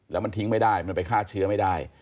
แล้วมันทิ้งไม่ได้มันไปฆ่าเชื้อไม่ได้